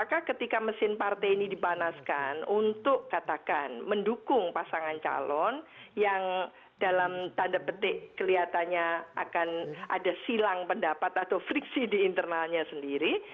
apakah ketika mesin partai ini dipanaskan untuk katakan mendukung pasangan calon yang dalam tanda petik kelihatannya akan ada silang pendapat atau friksi di internalnya sendiri